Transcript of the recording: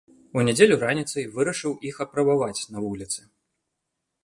У нядзелю раніцай вырашыў іх апрабаваць на вуліцы.